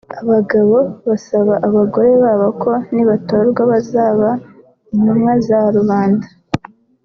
Aba bagabo basaba abo bagore ko nibatorwa bazaba intumwa za rubanda